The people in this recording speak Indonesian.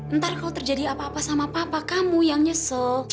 ntar kalau terjadi apa apa sama papa kamu yang nyesel